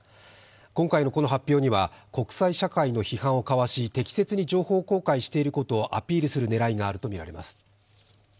今回のこの発表には国際社会の批判をかわし適切に情報公開していることをアピールする狙いがあるとみられます。